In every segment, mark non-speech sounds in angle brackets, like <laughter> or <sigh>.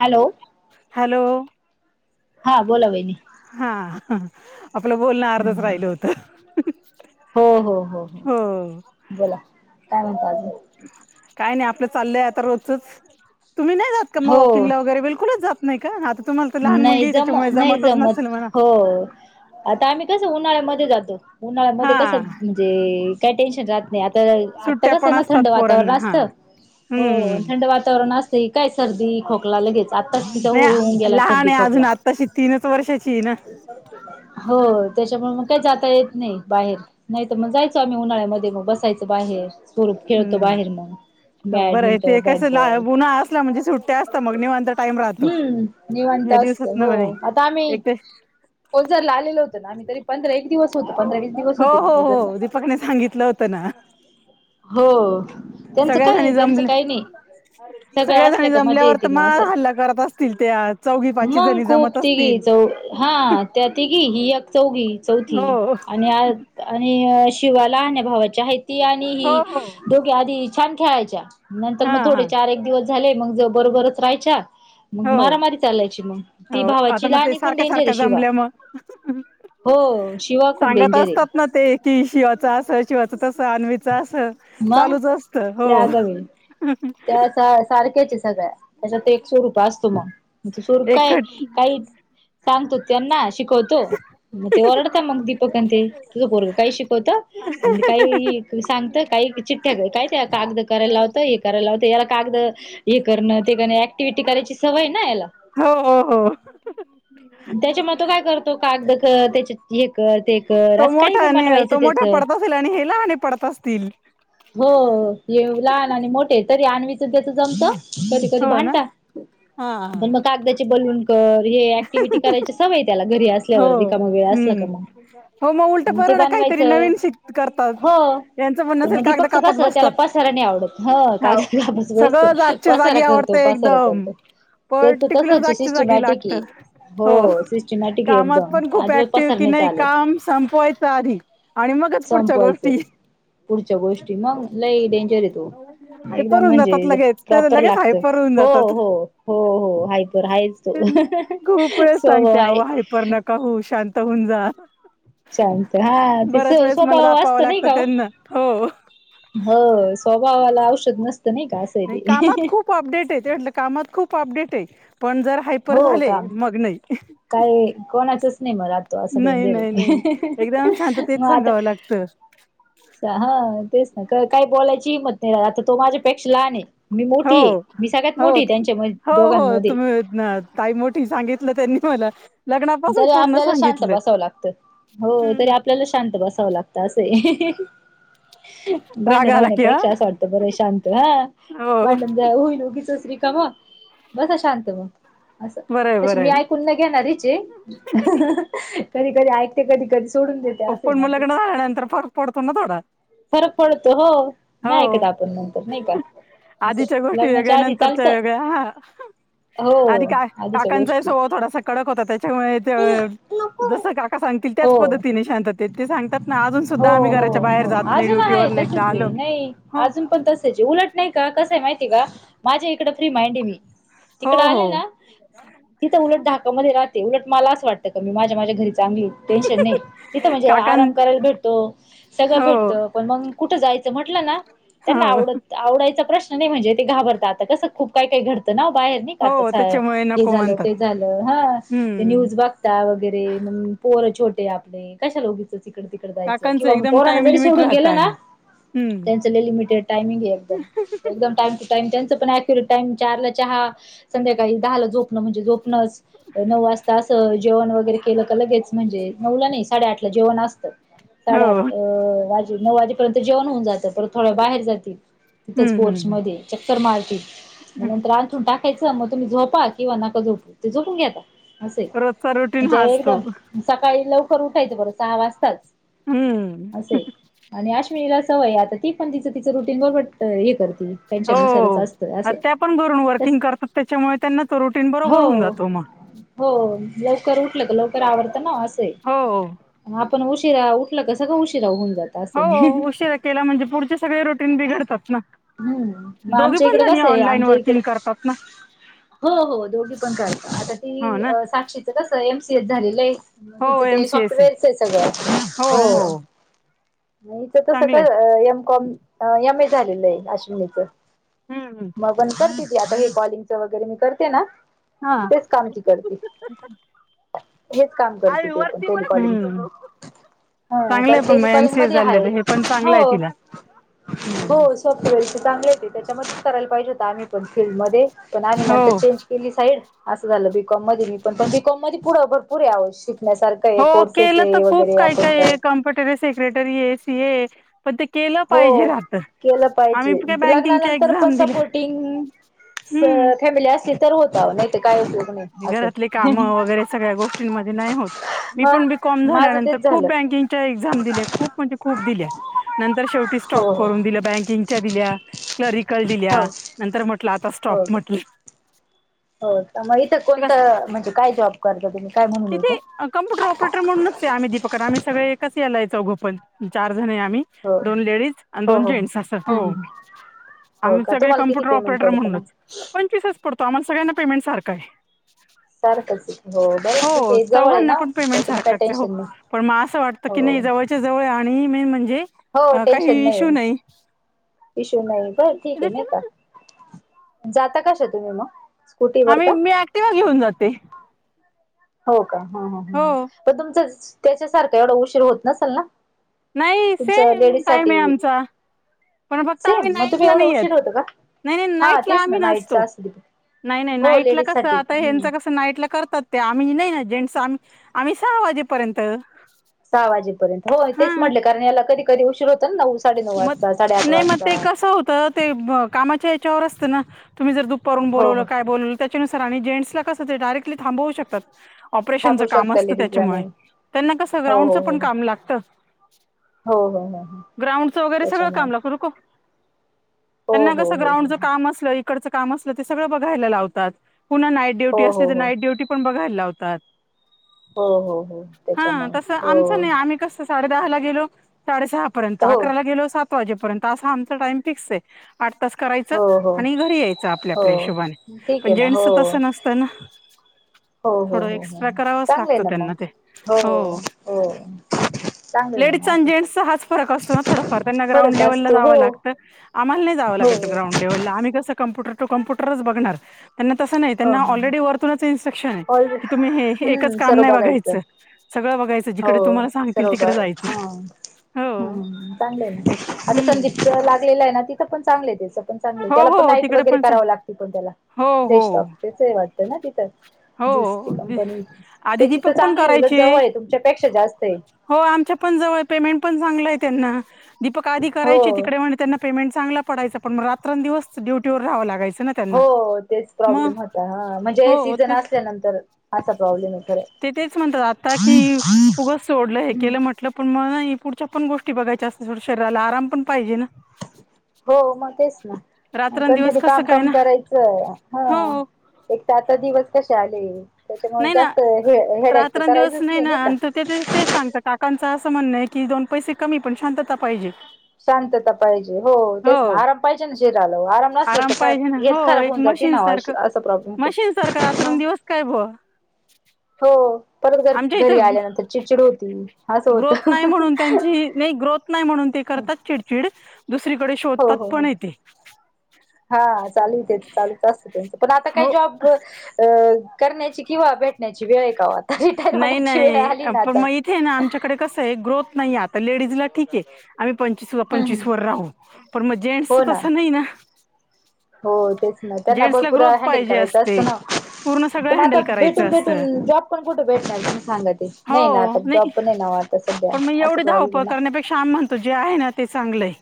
Hello hello. हा बोला वहिनी. हां. आपलं बोलणं अर्धच हम्म राहील होत, हो. बोला काय म्हणता अजून? काय नाही आपलं चाललंय आता रोजचंच, तुम्ही नाही जात का मग हो वॉकिंगला वगैरे बिलकुलच जात. नाही का आता. तुम्हाला तर लहान नाही मुलगी जामं त्याच्यामुळे नाही जमतच जमत नसेल म्हणा हो. आता आम्ही कसं उन्हाळ्यामध्ये जातो उन्हाळ्यामध्ये हा कसं म्हणजे काय टेन्शन राहत नाही. आता आता सुट्ट्या कसं पण ना थंड असतात वातावरण पोरांना हा असतं हो. हम्म थंड वात वातावरण असतंय की काय सर्दी, खोकला लगेच आताच तिचा <unintelligible> होऊन गेला. आ सर्दी नाही अजून खोकला आत्ताशी तीनच वर्षाची हे ना. हो त्याच्यामुळे मग काय जाता येत नाही बाहेर. नाही तर म जायचो आम्ही उन्हाळ्यामध्ये मग बसायच बाहेर स्वरूप खेळतो हम्म बाहेर मग. हो बरं आहे बॅडमिंटन ते कसं ला बॅटबॉल उन्हाळा असला म्हणजे सुट्ट्या असता मग निवांत टाइम राहतो हम्म निवां या कांता दिवसात असते न हो म्हणे आता आम्ही एक तर ओझरला आलेलो होतो ना आम्ही तरी पंध एक दिवस <unintelligible> पंधरा-वीस दिवस हो होते मी हो ओझरला. हो दीपकने सांगितलं होतं ना हो त्यांचं सगळ्या काय आहे जणी त्यांचं जमले काही नाही. सगळ्या जणी असल्या का मजा जमल्यावर तर येते म मग असं. हल्ला करत असतील त्या आज. मग खूप तीघी चौ हा त्या तिघी ही एक चौघी चौथी हो आणि आ आणि शिवा लहान्या भावाच्या आहे ती आणि हो हि हो दोघे आधी छान खेळायच्या. नंतर हा मग हा थोडे चार एक दिवस झाले, मग बरोबरच राहायच्या. मग हो मारामारीच त्यालायची मग ती हो आता भावाची मग ते लाहनी पण सारख्या डेंजर आहे सारख्या शिवा. जमल्या मग हो शिवा खूप सांगत डेंजर आहे. असतात ना ते कि शिवाचा असं शिवाचा तसं आणनवीचा असं मग चालूच असतं हो. लय आगाऊ आहे <unintelligible> त्या त सारख्याच आहे सगळ्या. त्याचात ते एक स्वरुप असतो मग. यांचे स्वरूप काय एकखट काही सांगतो त्यांना शिकवतो म ते ओरडता मग दीपक अन ते तुझं पोरगा काही शिकवतो. अंद काही सांगतं काही चिठ्ठया काय त्या कागदं करायला लावतं एक करायला लावते याला कागदं हे करणं ते करण ऍक्टिव्हटी करायची सवय आहे ना याला. हो हो हो. त्याच्यामुळे तो काय करतो कागदं कर त्याच्या हे कर ते कर तो असं काही मोठा पण आणि बनवाय तो मोठा पडत असेल आणि हे लहाने पडत असतील. हो ये लहान आणि मोठे तरी आणवीचा त्याच जमतं. कधी-कधी हो ना भांडता हा पण म कागदाची बलून तर हे ऍक्टिव्हटी करायचे सवय त्याला घरी हो असल्यावर रिकामा वेळ असला हम्म का मग. हो उलट मग ते बरं ना काहीतरी बनवायचं‌. नवीन शिक करतात हो यांचं म्हणणं असेल पण कागद दीपकच कापत कसं त्याला बसतात पाच पसारा नाही आवडत हाव हा <unintelligible> बसतो सगळं जागच्या पसारा जागी करतो आवडतं पसारा एकदम. करतो. ते तर तसंच सिस्टमॅटिक आहे. तर हो सिस्टमॅटिक आहे कामात एकदम पण खूप अजिबात ऍक्टिव पसार की नाही चालत. काम संपवायचं आधी. आणि मगच पुढच्या संपवायचं गोष्टी पुढच्या गोष्टी मग लई डेंजर हे तो, हायपर एकदम होऊन जातात म्हणजे लगेच ते प्रॉपर लगेच लागतं. हायपर होऊन हो जातात. हो हो हो. हायपर आहेच तो. खूप वेळेस सांगते स्वभाव अहो आहे. हायपर नका होऊ शांत होऊन जा. शांत हा ते से बऱ्याच वेळेस मला स्वभाव दापावं असतो नाही लागतं का ओ. त्यांना हो. हो स्वभावाला औषध नसतं नाही का? नाही आहे कामात ते खूप अपडेट आहे ते म्हटलं कामात खूप अपडेट आहे. पण जर हायपर हो झालेय काम मग नाही काय कोणाचच नाही मग राहतो असं नाही डेंजर नाही नाही आहे. एकदम शांततेत मग आता सांगावं लागतं सा हा तेच ना का काही बोलायची हिम्मत नाही रहात आता तो माझी पेक्ष लहान आहे मी मोठी आहे हो. मी सगळ्यात मोठी आहे त्यांच्या म दोघांमध्ये. होत नायत काही मोठी सांगितलं त्यांनी मला लग्नापासून तरी पूर्ण आपल्याला शांत सांगितलं बसावं लागतं, हो तरी आपल्याला शांत बसावं लागतं. तर असं आहे. राग भांडण आला की हा होण्यापेक्षा असं वाटतं बरं आहे शांत हा. हो भांडण होईन उगीचच रिकामं बसा शांत मग असं. बरं आहे तसे बरं मी आहे ऐकून न घेणारीचे ये. कधी कधी ऐकते, कधी कधी सोडून देत हो पण मग लग्न झाल्यानंतर फरक पडतो ना थोडा? फरक पडतो हो. नाही ऐकत हो आपण नंतर नाही का? असं आधीच्या गोष्टी वेगळ्या, लग्नाच्या आधी नंतरच्या चालतं वेगळ्या हा. हो आधी आधीच्या का-काकांचाही गोष्टी स्वभाव थोडासा कडक होता त्याच्यामुळे ते जसं काका सांगतील त्याच हो पद्धतीने शांतेत ते सांगतात ना, अजून हो सुद्धा आम्ही हो घराच्या बाहेर हो जात नाही अजून आहे ड्युटीवरून एकदा तसंच आहे. आलो नाही हो अजून पण तसंच आहे. उलट नाही का कसय माहितीय का? माझ्या इकडं फ्री माइंड आहे मी. हो तिकडं हो आले ना तिथं उलट धाकामध्ये राहते. उलट मला असं वाटतं का मी माझ्या माझ्या घरी चांगली आहे. टेन्शन नाही तिथं म्हणजे काकां आराम करायला भेटतो, सगळं हो भेट पण मग कुठं जायचं म्हटलं ना, त्यांना हो आवडत आवडायचा प्रश्न नाही म्हणजे ते घाबरता, आता कसं खूप काही काही घडतं ना बाहेर नाही का हो आता त्याच्यामुळे हे नको झालं म्हणतात ते झालं हा. ते हम्म न्यूज बघ त्या वगैरे, मग पोर छोटे आपले कशाला उगीचच इकडं तिकडं जायचं. काकांचं किंवा मग एकदम पोरांना टाइम जरी लिमिट सोडून गेल राहतं ना, आणि हम्म. त्यांच लय लिमिटेड टाइमिंग आहे एकदम. एकदम टाइम टाईम त्यांच पण अक्युरेट टाईम चारला चहा संध्याकाळी दहाला झोप म्हणजे झोपणंच नऊ वाजता असं जेवण वगैरे केलं का लगेच म्हणजे नऊला नाही साडेआठला जेवण असतं. साडेआठ हो. माझे नऊ वाजेपर्यंत जेवण होऊन जात, परत थोडं बाहेर जाती तिथंच हम्म हम्म पोर्चमध्ये. चक्कर मारती, मग हम्म. नंतर अंथरून टाकायचं. मग तुम्ही झोपा किंवा नका झोपू ते झोपून घेता. असं आहे रोजचा रुटीन म्हणजे हा असतो. एकदम सकाळी लवकर उठायचं बरं सहा वाजताच हम्म. असे आहे. आणि अश्विनीला सवय आहे. आता ती पण तिचं तिचं रुटीन बरोबर हे कर हो आता त्या पण घरून तस वर्किंग करतात त्याच्यामुळे त्यांना तो रुटीन हो बरोबर होऊन जातो मग. हो लवकर उठलं तर लवकर आवरत ना असं आहे. हो. आप पण उशिरा उठला का, सगंळ उशिरा होऊन जातं. हो उशीरा केलं म्हणजे पुढचे सगळे रुटीन बिघडतात ना. हम्म मग दोघे आमच्या पण इकडे जणी कसं आहे ऑनलाईन आमच्या वर्किंग इकडे करतात ना? हो हो दोघी पण करता. आता हो ती ना अ साक्षीचं कसं एमसीएच झालेलं आहे. मग हो तिच एम ते सी एस ए सॉफ्टवेअरच आहे सगळं हो. मग हिच चांगलंय कसं अ M com a M A झालेलं आहे अश्विनीचं. हम्म. मग गंद करते ती आता हे कॉलिंगच वगैरे मी करते ना हा. तेच काम ती करती. हेच काम करते आम्ही तीपण वरती पण टेलिकॉलिंग. हा चांगलंय कारण पण मग एम टेलिकॉलिंग सी ए मधी झालं हाय, हे पण चांगलं हो आहे तिला. हम्म. हो. सॉफ्टवेअरच चांगले आहे ते त्याच्यामध्येच करायला पाहिजे होत आम्ही पण फिल्डमध्ये. पण आम्ही हो. नंतर चेंज केली साईड. असं झालं. बीकॉममध्ये मी पण, पण बीकॉममध्ये पुढे भरपूर अहो शिकण्यासारखं. आहे हो कोर्सेस केलं तर आहे खूप वगैरे काय काय आहे. अकाउंटंट कॉम्प्युटरी सेक्रेटरी आहे, सीए आहे. हो केलं आम्ही पाहिजे. काय बँकिंगच्या लग्नानंतर पण एक्झाम दिल्या सपोर्टिंग हम्म फॅमिली असली तर होतं अहो नाहीतर काय उपयोग. नाही असे घरातली कामं वगैरे, सगळ्या गोष्टींमध्ये नाही होतं. मी मग पण बी कॉम, माझं झाल्यानंतर तेच खूप झालं बँकिंग. एक्साम दिल्या खूप म्हणजे खूप दिल्या, नंतर शेवटी हो स्टॉप करून दिलं. दिल्या, क्लरिकल दिल्या, हो नंतर म्हटलं आता हो स्टॉप का म्हटलं. हो का? मग इथं कस कोणतं म्हणजे काय जॉब करता तुम्ही? काय म्हणून इथं तिथे कम्प्युटर ऑपरेटर म्हणून आम्ही दीपक आम्ही सगळे, एकच याला चौघ पण चार जण आहे आम्ही. हो दोन लेडीज आणि, दोन जेंन्स असं हो. हो आम्ही का सगळे तुम्हाला किती पेमेंट कम्प्युटरऑपेटर पडतं मग म्हणूनच, पंचवीसच पडतो आम्हाला सगळ्यांना पेमेंट सारखं आहे. सारखचं. हो चौघांना पण पेमेंट त्याच्यामुळे काय सारखच हो, टेन्शन नाही पण मग असं वाटतं हो का जवळ. त्याच्या जवळ आणि मेन म्हणजे, काही इश्यू नाही. इशू नाही बा ठीक आहे नाही का, जाता कशा तुम्ही मग. हा स्कूटीवर का मी ऍक्टिवा घेऊन जाते. हो का हो हं.. पण तुमचं, तेच्यासारखा एवढा उशीर होत नसेल ना. नाही तुमचं सेम, लेडीज टाईम आहे साठी आमचा. पण फक्त आम्ही सेम मग तुम्ही नाईटला एवढं नाही येत, उशीर होतं का नाही हा नाईटला तेच ना आम्ही नाईटच नसतो. असली नाही नाही हो नाईट ला लेडीज कसं, साठी आता हम्म हेचं कसं. नाईट ला करतात ते, आम्ही नाही ना जेंट्स आम्ही आम्ही सहा वाजेपर्यंत. सहा वाजेपर्यंत हो तेच हा म्हटले, कारण याला कधी कधी उशीर होत. तर नऊ साडे नऊ, वाजता साडेआठ वाजता. असं होतं ते कामाच्या याच्यावर असतं ना, तुम्ही जर दुपारून हो बोलावलं हो काय बोलवलं. त्यानुसार आणि जेंट्सला कसं, ते डायरेक्टली थांबवू शकतात. ऑपरेशनच थांबू काम शकता असतं लेडीजला त्याच्यामुळे, नाही त्यांना कसं हो ग्राउंडच हो पण काम लागतं. हो हो हो हो. <unintelligible> त्याच्यामुळे हो त्यांना हो कस हो ग्राउंडच काम असलं. इकडचं काम असलं ते सगळं बघायला लावतात, पुन्हा नाईट ड्युटी हो असली हो हो हो की पण बघाय लावतात हो हो हो हा, त्याच्यामुळे तस हो आमचं नाही आम्ही कसं. साडे दहा ला गेलो साडेसहापर्यंत, हो अकराला गेलो सात वाजेपर्यंत, असा आमचा टाइम फिक्स आहे. आठ तास करायचं हो हो आणि घरी यायचं, आपल्या हो आपल्या हिशोबाने ठीक पण आहे ना हो जेन्स तसं नसतं. पण, हो हो थोडं हो हो एक्स्ट्रा करावच, चांगलं आहे लागतं ना मग त्यांना ते हो. हो चांगलं आहे ना लेडीस चा मग अन, असं जेंटस चा हाच फरक असतो. थोडंफार त्यांना ग्रांड फरक लेव्हला असतो हो जावं लागतं, आम्हाला नाही जावं हो लागत हो ग्रांउंड आम्ही कसं कम्पुटर टू कम्प्युटर बघणार त्यांना तसं नाही हो त्यांना हो. ऑलरेडी वरतूनच इन्स्ट्रक्शन आहे, ऑल की तुम्ही हे एकच हम्म काम सर्व नाही बघायचं. सगळं बघायचं जिकडे, तुम्हाला सांगतील तिकडे जायचं. हो हम चांगलं आहे ना आता, हम्म संदीप सर लागलेलं आहे ना तिथं पण चांगलं त्याचं. पण चांगली हो त्याला पण हो नाईट तिकडे वगैरे पण चाल. करावं लागते, पण त्याला हो जे हो स्टॉकच वाटतं ना तिथं. ज्यूसची हो कंपनी आधी त्याची तर दीपक पण चांगली उलट जवळ करायचे आहे, तुमच्यापेक्षा जास्त आहे. हो आमच्या पण जवळ पेमेंट पण चांगलं आहे, त्यांना दीपक आधी हो करायचे तिकडे म्हणे त्यांना. पेमेंट चांगला पडायंच पण, रात्र दिवस ड्युटीवर रहावं लागायचं ना हो, त्यांना तेच मग प्रॉब्लेम होता हा म्हणजे ए हो आसल्यानंतर असा प्रॉब्लेम येतो रे. ते तेच म्हणतात आता की उगच सोडलं हे केलं म्हटलं पण म पुढच्या पण गोष्टी बघाच्या असत्यात, थोडं शरीराला आराम पण पाहिजे ना. हो मग तेच ना, रात्रंदिवस कंटिन्यू कसं काय कामकाम ना करायचं हं.. हो एक तर आता दिवस कसे आले, त्याच्यामुळे नाही ना जास्त हे हेडॅकच रात्रंदिवस करायचंच ना नाही का. आणि ते ते सांगतात. काकांचं असं म्हणणं आहे की, दोन पैसे कमी पण शांतता पाहिजे. शांतता पाहिजे हो, तेच ना हो आराम पाहिजे ना जे झालं आराम नसलं तर काय, पाहिजे ना हो हेल्थ खराब होऊन जाते ना अस प्रॉब्लेम होतो. सारख रात्र दिवस काय बुवा. हो परत घर आमच्या घरी इथं आल्यानंतर चिडचिड होती, असं ग्रोथ होतं. नाही म्हणून त्यांची नाही ग्रोथ नाही म्हणून ते हो करतात, चिडचिड दुसरीकडे शोधतात हो हो पण आहे ते. हा चालू तेच चालूच असतं त्यांच पण आता काय हो जॉब. अ करण्याची किंवा भेटण्याची वेळ आहे का, ओ आता रिटायर होण्याची वेळ आली ना आता. ते ना आमच्याकडे कसं आहे ग्रोथ नाही, आता लेडीज ला ठीक आहे. आम्ही पंचवीस हम् पंचवीस हम. वर राहू, पण मग जेंट्स तसं नाही ना. हो तेच ना त्यांना, जेंट्सला भरपूर ग्रोथ हँडल पाहिजे करायचं असते असतं ना. पूर्ण सगळं पण आता हँडल करायचं भेटून असतं भेटून जॉब. कोण कुठे भेटणार सांगा ते नाही ना, आता जॉब पण नाही आता सध्या असा प्रॉब्लेम आहे. श्याम म्हण तू जे आहे ना ते चांगलंय.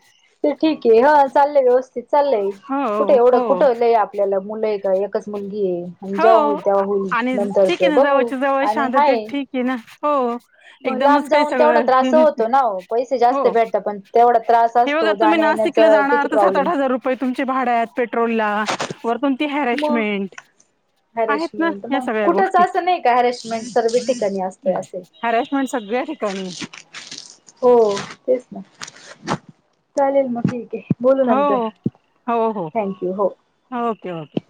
ते ठीक आहे हा चाललंय व्यवस्थित चाललंय कुठे हो एवढं हो कुठं लय आपल्याला मुलं आहे का एकच. मुलगी आहे आणि हो जेव्हा होईल तेव्हा होईल, आणि ठीक नंतरच आहे ना बघू जवळच्या जवळ आणि शांततेत हाय. ठीक आहे ना हो मग लांब एकदमच काही जाऊन तेवढा सगळं हे त्रास नसते होतो ना, ओ पैसे जास्त हो भेटत पण. तेवढा त्रास. हे बघा असतो तुम्ही जाण्या नाशिकला येण्याचा जाणार किती तर सात आठ प्रॉब्लेम हजार रुपये तुमचे भाड्यात आहेत पेट्रोल ला. वर पण ती हॅरेशमेंट. आहेत ना हॅरेशमेंट या मग सगळ्या कुठच गोष्टी असं नाही का, हॅरेशमेंट सर्वे ठिकाणी असतंय असे. हॅरशमेंट सगळ्या ठिकाणी. हो तेच ना चालेल मग ठीक आहे. बोलू हो नंतर हो हो थँक्यू हो. Okay okay.